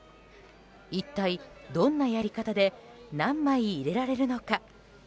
一体、どんなやり方で何枚入れられるのか。